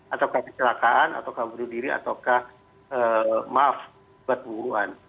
atau kecelakaan atau kebududiri atau ke maaf buat penguruan